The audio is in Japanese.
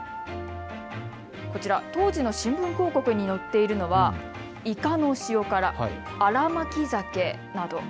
こちら、当時の新聞広告に載っているのはいかの塩辛、新巻ざけなど。